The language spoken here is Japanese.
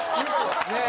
ねえ！